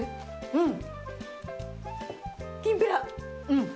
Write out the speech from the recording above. うん。